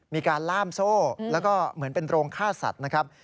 มีการล่ามโซ่แล้วก็เหมือนเป็นโรงฆ่าสัตว์นะครับ